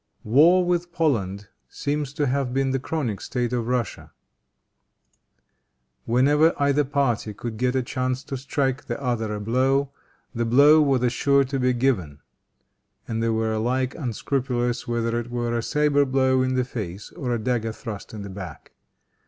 War with Poland seems to have been the chronic state of Russia. Whenever either party could get a chance to strike the other a blow, the blow was sure to be given; and they were alike unscrupulous whether it were a saber blow in the face or a dagger thrust in the back.